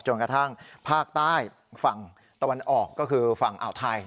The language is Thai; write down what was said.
กระทั่งภาคใต้ฝั่งตะวันออกก็คือฝั่งอ่าวไทย